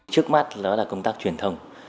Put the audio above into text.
trước mắt đó là công tác truyền thông